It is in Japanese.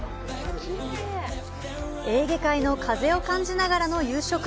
エーゲ海の風を感じながらの夕食。